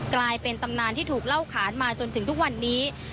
กลายเป็นตำนานที่ถูกเล่าขานมาจนถึงทุกวันนี้